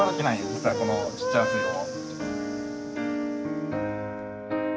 実はこのちっちゃな水路。